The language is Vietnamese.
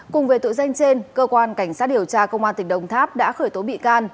cùng với tội danh trên cơ quan cảnh sát điều tra công an tỉnh đồng tháp đã khởi tố bị can